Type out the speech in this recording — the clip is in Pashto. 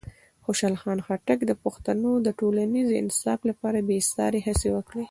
خوشحال خان خټک د پښتنو د ټولنیز انصاف لپاره بېساري هڅې وکړې.